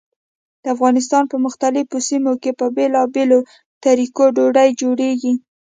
د افغانستان په مختلفو سیمو کې په بېلابېلو طریقو ډوډۍ جوړېږي.